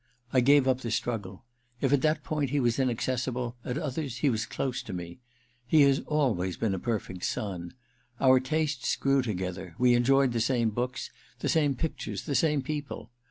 I gave up the struggle. If at that point he was inaccessible, at others he was close to me. He has always been a perfect son. Our tastes grew together — we enjoyed the same books, the same pictures, the same people.